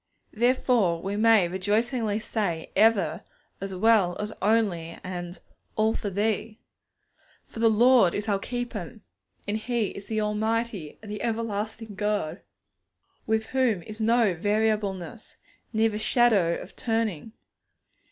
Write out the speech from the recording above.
Therefore we may rejoicingly say 'ever' as well as 'only' and 'all for Thee!' For the Lord is our Keeper, and He is the Almighty and the Everlasting God, with whom is no variableness, neither shadow of turning.